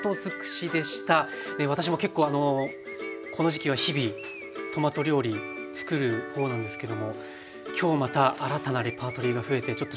私も結構この時期は日々トマト料理つくる方なんですけども今日また新たなレパートリーが増えてちょっと食卓が豊かになりそうです。